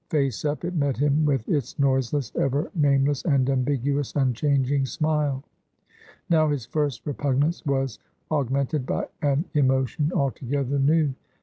Face up, it met him with its noiseless, ever nameless, and ambiguous, unchanging smile. Now his first repugnance was augmented by an emotion altogether new.